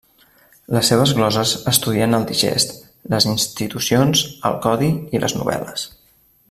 Les seves gloses estudien el Digest, les Institucions, el Codi i les Novel·les.